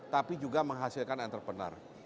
tapi juga menghasilkan entrepreneur